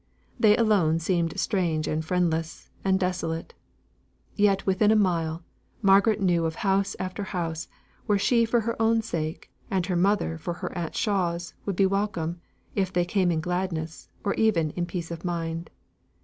They alone seemed strange and friendless, and desolate. Yet within a mile, Margaret knew of house after house, where she for her own sake, and her mother for her aunt Shaw's, would be welcomed, if they came in gladness, or even in peace of mind.